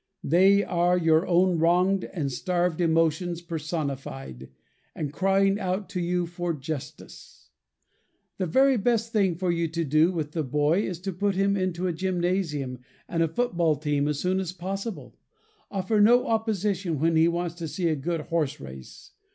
They are your own wronged and starved emotions personified, and crying out to you for justice. The very best thing for you to do with the boy is to put him into a gymnasium and a football team as soon as possible. Offer no opposition when he wants to see a good horse race.